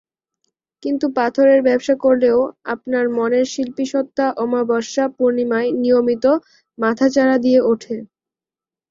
কিন্তু পাথরের ব্যবসা করলেও আপনার মনের শিল্পীসত্তা অমাবস্যা-পূর্ণিমায় নিয়মিত মাথাচাড়া দিয়ে ওঠে।